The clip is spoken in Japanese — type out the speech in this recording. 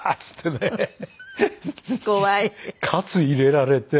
活を入れられて。